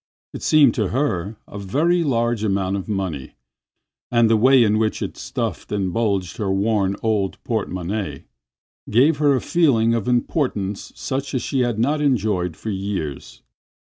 It seemed to her a very large amount of money, and the way in which it stuffed and bulged her worn old porte monnaie gave her a feeling of importance such as she had not enjoyed for years.